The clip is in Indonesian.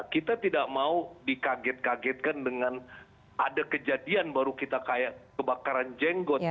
kita tidak mau dikaget kagetkan dengan ada kejadian baru kita kayak kebakaran jenggot